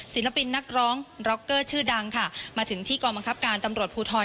ศิลปินนักร้องร็อกเกอร์ชื่อดังค่ะมาถึงที่กองบังคับการตำรวจภูทร